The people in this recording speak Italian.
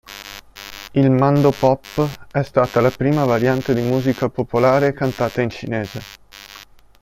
Il mandopop è stata la prima variante di musica popolare cantata in cinese.